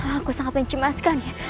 aku sangat pengen cemaskan ya